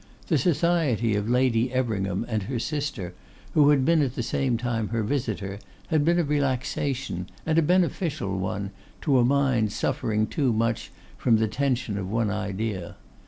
The society of Lady Everingham and her sister, who had been at the same time her visitor, had been a relaxation, and a beneficial one, to a mind suffering too much from the tension of one idea.